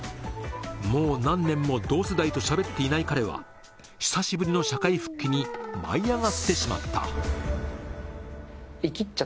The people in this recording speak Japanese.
もう何年も同世代としゃべっていない彼は久しぶりの社会復帰にハハハ。